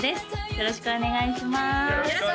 よろしくお願いします